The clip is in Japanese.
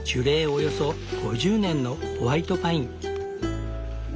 およそ５０年のホワイトパイン。